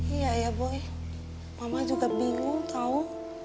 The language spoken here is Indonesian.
iya ya boy mama juga bingung tau